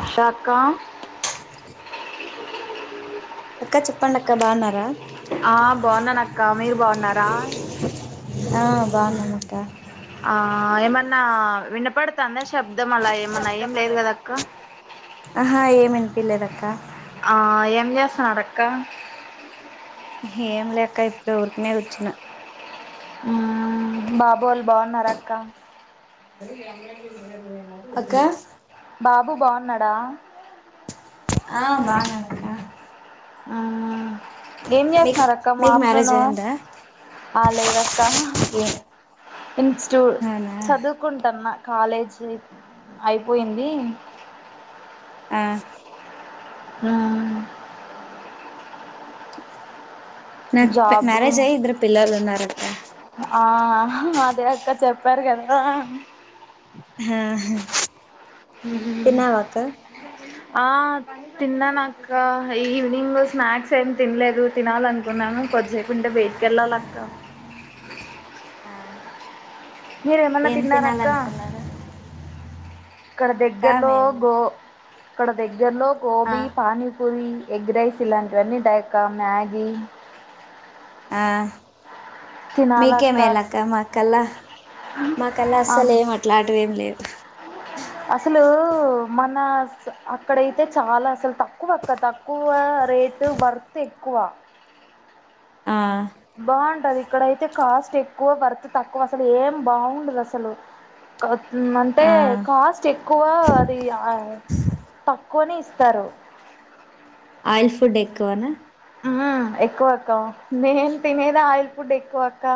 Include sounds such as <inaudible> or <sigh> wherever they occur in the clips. ఆశ అక్క అక్క చెప్పండి అక్క బాగున్నార క మీరు బాగున్నారా ఆ బాగున్నాం అక్క ఆ ఏమన్నా వినపడతాంద శబ్దం అల ఏమన్నా ఏం లేదు కదక్క <unintelligible> లేదక్కా ఆ ఏం చేస్తున్నారు అక్క ఏం లే అక్క ఇప్పుడు ఊరికినే కూర్చున్న ఆ బాబు వాళ్ళు బాగున్నార అక్క అక్కా బాబు బాన్నాడ ఆ బాన్నడు అక్క ఆ ఏం చేస్తున్నారక్క మా మీకు మ్యారేజ్ అయిందా <unintelligible> ఏ ఇన్స్ టూ అవునా చదువుకుంటన్న కాలేజీ అయిపోయింది ఆ ఆ అవునా <unintelligible> జాబ్ మ్యారేజ్ అయి ఇద్దరు పిల్లలున్నారక్క ఆ అదే అక్క చెప్పారు కదా హా హా ఉ హు ఆ తిన్నా నక్క ఈవినింగ్ స్నాక్స్ ఏమి తిన్లేదు తినాలనుకున్నాను కొద్ది సేపు ఉంటే బయటికి ఎళ్ళాలక్క ఆ మీరేమన్న ఏం తిన్నరక్క తినాలనుకున్నారు ఇక్కడ ఆ అక్క దగ్గరల్లో మేమ్ గో ఇక్కడ దగ్గరల్లో ఆ గోబీ పానీపూరి ఎగ్ రైస్ ఇలాంటివన్నీ వుంటాయి అక్క మ్యాగీ ఆ తినాలక్క అస్- మీకేమేలక్క మా కల్ల మాకల్ల ఆ, అస్సలు ఏం అట్లటి ఎం లేవు అసలూ మన స అక్కడైతే చాలా అసలు తక్కువక్క తక్కువా రే ఏటు వర్త్ ఎక్కువ ఆ బావుంటది ఇక్కడైతే కాస్ట్ ఎక్కువ వర్త్ తక్కువ అసలు ఏం బావుండదు అసలు క ఊమ్ అంటే ఆ కాస్ట్ ఎక్ కువా అది ఆ తక్కువనే ఇస్తారు ఆయిల్ ఫుడ్ ఎక్కువన ఆ ఎక్కువక్క నేన్ తినేదే ఆయిల్ ఫుడ్ ఎక్కువక్క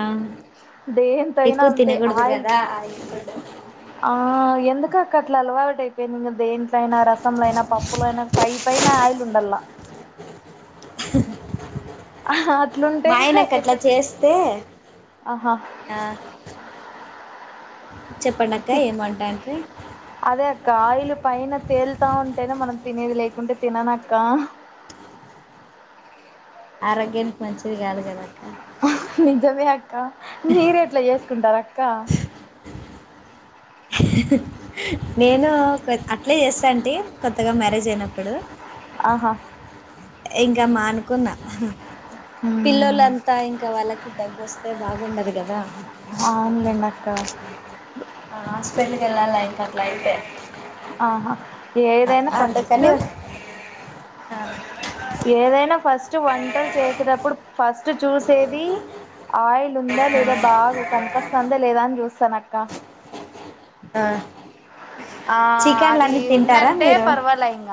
ఆ దేంతైన ఎక్కువ అంతే తినకూడదు ఆయిల్ కదా ఆయిల్ ఫుడ్ ఆ ఎందుక కట్ల అలువాటైపోయింది దేంట్లైన రసంల అయిన పప్పులైన పై పైన ఆయిల్ ఉండాల్ల అహ మా అట్లుంటేనే హే ఆయనకు అట్లా ఎందు చేస్తే అహా ఆ చెప్పండి అక్క థి ఏమంటాండ్రి అదే అక్కా ఆయిలు పైన తేలుతా ఉంటేనే మనం తినేది లేకుంటే తిననక్కా ఆరోగ్యానికి మంచిది గాదు గద అహ్ నిజమే అక్క మీరెట్ల ఏసుకుంటారక్క నేనూ కొ అట్లే ఏస్సంటీ కొత్తగా మ్యారేజ్ అయినప్పుడు ఆహా ఇంక మానుకున్న మ్మ్. పిల్లోలంతా ఇంక వాళ్ళకి దగ్గొస్తే బాగుండది గదా అవునులేండి అక్క హాస్పిటల్కి ఎల్లాలి <unintelligible> అయితే ఆహా ఏదైనా ఫస్ట్ అందుకని ఆ ఏదైన ఫస్ట్ వంటలు చేసేటప్పుడు ఫస్ట్ చూసేది ఆయిల్ ఉందా లేదా బాగు కన్పస్తందా లేదా అని జూస్తానక్క ఆ ఆ చికెన్లు అదీ అన్నీ తింటారా ఉందంటే మీరు పర్వాలె ఇంగ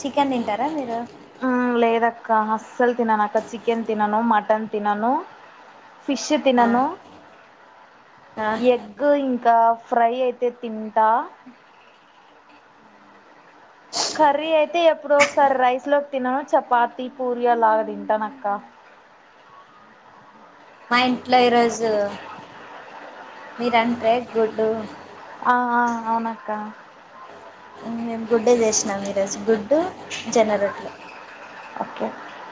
చికెన్ తింటార మీరు ఆ లేదక్కా అస్సల్ తినను అక్క చికెన్ తినను మటన్ తినను ఫిష్ష్ ఆ తినను ఆ ఎగ్గ్ ఇంకా ఫ్రై అయితే తింటా కర్రీ అయితే ఎప్పుడో ఒకసారి రైస్లో తినా చపాతి పూరి అలా దింటానక్క <inaudible> మా ఇంట్లో ఈరోజూ మీరంట్రే గుడ్డూ ఆ ఆ అవునక్కా మేమ్ గుడ్డే చేసినాం ఈరోజు గుడ్డూ జొన్న రొట్టే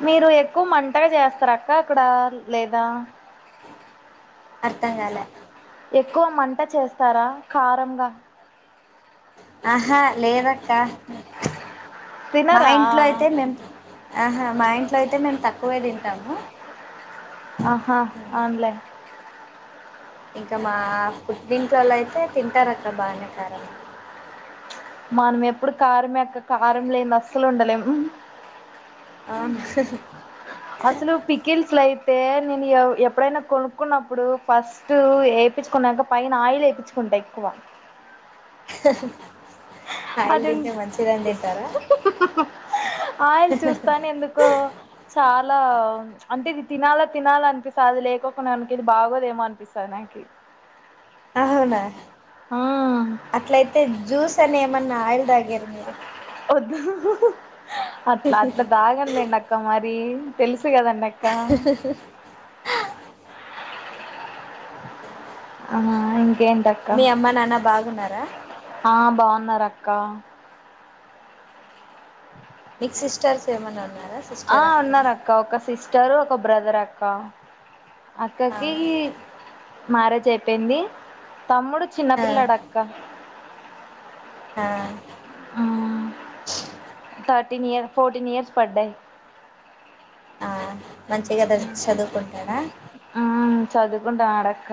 మీరూ ఎక్కువ మంటగ జేస్తర అక్క అక్కడా లె లేదా అర్థం గాలే ఎక్కువ మంట చేస్తారా కారంగా అహా లేదక్క మా తినరా ఇంట్లో అయితే మేం ఆహా మా ఇంట్లో అయితే మేమ్ తక్కువే దింటాము ఆహా ఆన్లైన్ ఇంక మా పుట్టింట్లోలయితే తింటారు అక్క బానే కారం మనం ఎప్పుడు కారమే అక్క కారం లేంది అస్సలు ఉండలేం అవునా అసలు పికిల్స్ లై తే నేను ఎప్పుడైనా కొనుక్కున్నప్పుడు ఫస్ట్ ఎపిచుకున్నాక పైన ఆయిల్ ఏపీచుకున్ దెక్కువ <inaudible> ఆయిల్ అది ఉం- తింటే మంచిగా ఆయిల్ చూస్తానే ఎందుకో చ అల అంటే ఇది తినాలా తినాలా అనిపిస్తు అది లేకోకునానికి ఇది బాగోదేమో అనిపిస్తది నాకి అవునా ఆ అట్లయితే జ్యూస్ అనే ఏమన్నా ఆయిల్ తాగార మీరు అట్లా అట్లా దాగన్లేండి అక్క మరి తెలుసు తెలుసు గాదాండక్క ఆ ఇంకేంటక్క మీ అమ్మ నాన్న బాగున్నారా ఆ బాగున్నారక్క మీకు సిస్టర్స్ ఏమన్నా ఉన్నారా ఆ సిస్టర్ ఉన్నారు అక్క ఒక సిస్టర్ ఒక బ్రదర్ అక్క ఆ అక్కకి మ్యారేజ్ అయిపేయింది తమ్ముడు ఆ చిన్నపిల్లడక్క ఆ థర్టీన్ ఇయర్ ఫోర్టీన్ ఇయర్స్ పడ్డయి ఆ మంచిగా అతను చదువుకుంటాడా చదుకుంట ఆడక్క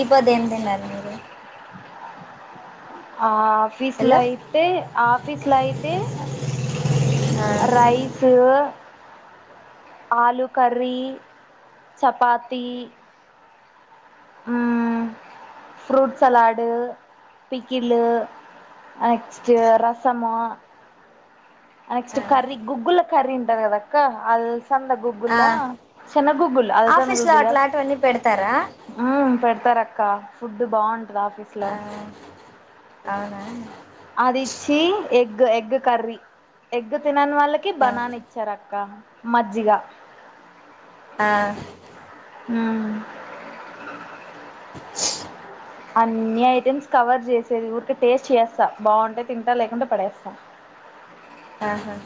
ఇ పొద్దు ఏం తిన్నారు మీరు ఆ ఆఫీస్లో హలో అయితే ఆఫీస్లో అయితే ఆ rice aloo curry chapati fruit salad pickle ఆ నెక్స్ట్ రసమో ఆ నెక్స్ట్ కర్రీ గుగ్గుల కర్రీ ఉంటది కదక్క అల్సంద గుగ్గుల ఆ చిన్న గూగ్గుల్ అల్సంద ఆఫీస్లో గూగ్గుల్ కాదు అట్లాంటివన్నీ పెడతారా ఉ పెడుతార అక్క ఫుడ్ బాగుంటది ఆఫీస్లో ఆ అవునా అదిచ్చి ఎగ్ ఎగ్ కర్రీ ఎగ్ తి నని వాళ్ళకి ఆ బనాన ఇచ్చారు అక్క మజ్జిగ ఆ హ <inaudible> అన్ని ఐటమ్స్ కవర్ చేసేది ఊరికే టేస్ట్ చేస్తా బాగుంటే తింటా లేకుంటే పడేస్తా ఆహా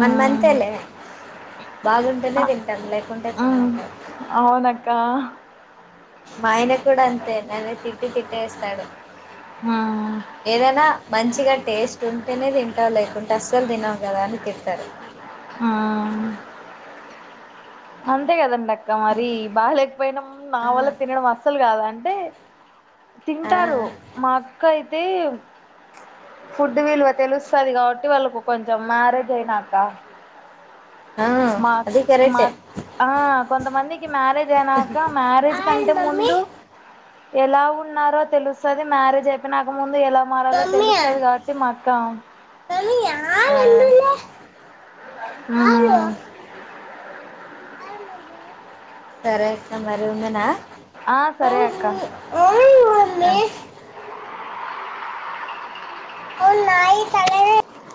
మనం అంతేలే బాగుంటేనే తింటాం లేకుంటే తినం క్క మా ఆయన కూడా అంతే నన్ను తిట్టి తిట్టేస్తాడు మ్మ్ ఏదైనా మంచి మంచిగా టేస్ట్ ఉంటేనే తింటావు లేకుంటే అస్సలు తినవు కదా అని తిడుతాడు ఆ అంతే కదండి అక్క మరి బాగాలేకపోయినాం నా వల్ల ఆ తినడం అస్సలు కాదు అంటే ఆ తింటారు మా అక్క అయితే ఫుడ్ విలువ తెలుస్తది కాబట్టి వాళ్ళకు కొంచెం మ్యారేజ్ అయినాక ఆ మా అది మా కరెక్టే ఆ కొంతమందికి మ్యారేజ్ అయినాక మ్యారేజ్ కంటే మమ్మీ ముందు ఎలా ఉన్నారో తెలుస్తది మ్యారేజ్ అయిపోయినాక ముందు ఎలా మారలా మమ్మీ తెలుస్తది కాబట్టి మాక్క మమ్మీ ఆ ఆ సరే అక్క మరి ఉండనా ఆ సరే అవును అక్క మమ్మీ ఉన్న <inaudible>